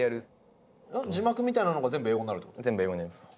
字幕みたいなのが全部英語になります。